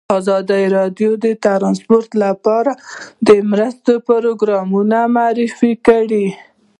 ازادي راډیو د ترانسپورټ لپاره د مرستو پروګرامونه معرفي کړي.